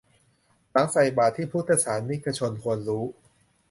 หลังใส่บาตร ที่พุทธศาสนิกชนควรรู้